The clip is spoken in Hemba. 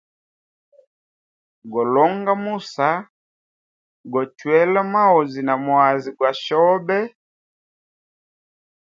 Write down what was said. Golonga musa, gochwela maozi na mwazi gwa shobe.